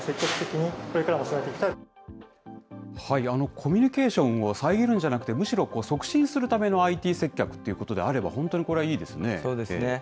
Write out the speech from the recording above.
コミュニケーションを遮るんじゃなくて、むしろ促進するためのＩＴ接客ということであれば、本当にこれはそうですね。